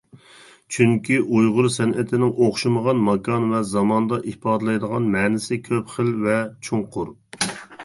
چۈنكى ئۇيغۇر سەنئىتىنىڭ ئوخشىمىغان ماكان ۋە زاماندا ئىپادىلەيدىغان مەنىسى كۆپ خىل ۋە چوڭقۇر.